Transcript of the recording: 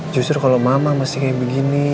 justru kalau mama masih kayak begini